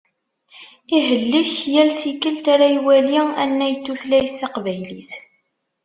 Ihellek yal tikelt ara iwali annay n tutlayt taqbaylit.